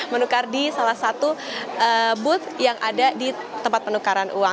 menukar di salah satu booth yang ada di tempat penukaran uang